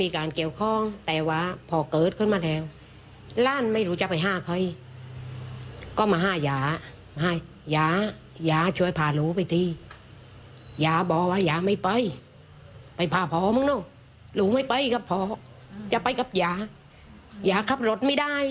ตรงไหนตรงไหนย่าไม่รู้ก็ย่าไปแต่ลูกพาย่าไป